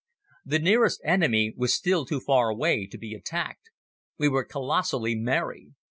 The nearest enemy was still too far away to be attacked. We were colossally merry.